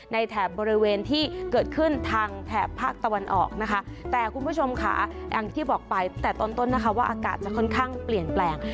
แถบบริเวณที่เกิดขึ้นทางแถบภาคตะวันออกนะคะแต่คุณผู้ชมค่ะอย่างที่บอกไปแต่ต้นต้นนะคะว่าอากาศจะค่อนข้างเปลี่ยนแปลง